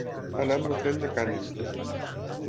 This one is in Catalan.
Anar amb el tren de cànem.